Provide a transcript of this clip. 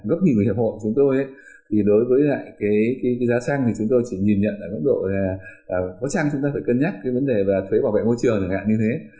rất nhiều người hợp hộ của chúng tôi thì đối với lại cái giá xăng thì chúng tôi chỉ nhìn nhận ở mức độ là có xăng chúng ta phải cân nhắc cái vấn đề thuế bảo vệ môi trường như thế